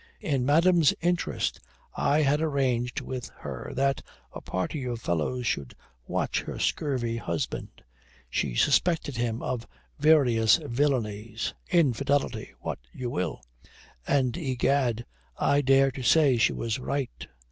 In madame's interest, I had arranged with her that a party of fellows should watch her scurvy husband. She suspected him of various villainies, infidelity, what you will. And, egad, I dare to say she was right.